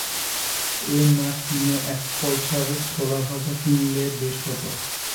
এ না কিনে এক পয়সার ছোলাভাজা কিনলে বেশ হত!